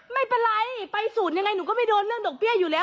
ไม่เป็นไรไปศูนย์ยังไงหนูก็ไม่โดนเรื่องดอกเบี้ยอยู่แล้ว